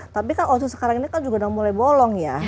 tapi kan oso sekarang ini kan juga udah mulai bolong ya